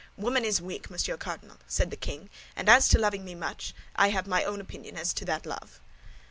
"Woman is weak, Monsieur Cardinal," said the king; "and as to loving me much, I have my own opinion as to that love."